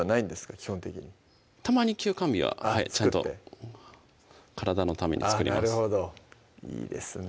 基本的にたまに休肝日は作って体のために作りますなるほどいいですね